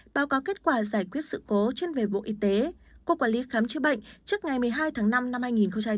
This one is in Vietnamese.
báo cáo kết quả giải quyết sự cố trên về bộ y tế cục quản lý khám chữa bệnh trước ngày một mươi hai năm hai nghìn hai mươi bốn